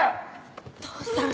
お父さん！